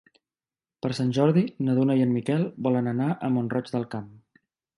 Per Sant Jordi na Duna i en Miquel volen anar a Mont-roig del Camp.